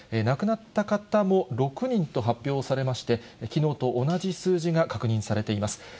亡くなった方も６人と発表されまして、きのうと同じ数字が確認されています。